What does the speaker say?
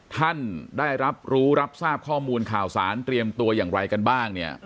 ท่านได้รับรู้รับทราบข้อมูลข่าวสารเตรียมตัวอย่างไรกันบ้างเนี่ย